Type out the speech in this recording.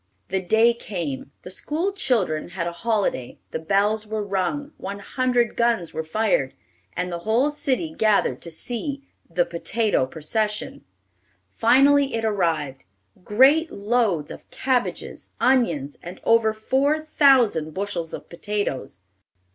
The day came. The school children had a holiday, the bells were rung, one hundred guns were fired, and the whole city gathered to see the "potato procession." Finally it arrived, great loads of cabbages, onions, and over four thousand bushels of potatoes.